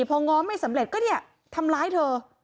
พอง้อไม่สำเร็จก็เนี่ยทำร้ายเธอ